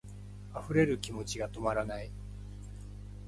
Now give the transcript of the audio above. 溢れる気持ちが止まらない